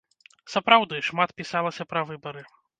Сапраўды, шмат пісалася пра выбары!